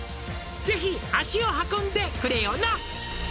「是非足を運んでくれよな！」